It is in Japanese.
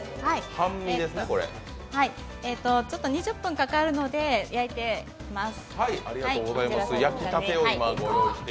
２０分かかるので、焼いてきています。